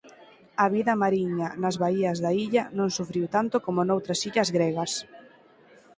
A vida mariña nas baías da illa non sufriu tanto como noutras illas gregas.